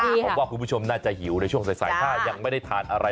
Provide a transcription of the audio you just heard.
ผมว่าคุณผู้ชมน่าจะหิวในช่วงสายถ้ายังไม่ได้ทานอะไร